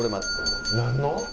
何の？